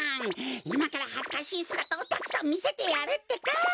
いまからはずかしいすがたをたくさんみせてやるってか！